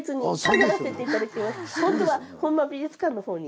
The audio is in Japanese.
本当は本間美術館の方に。